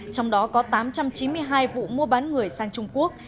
trong đó có tám trăm chín mươi hai vụ mua bán người sang trung quốc